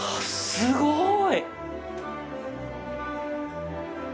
すごい。